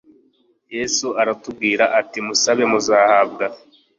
Yesu aratubwira ati Musabe muzahabwa …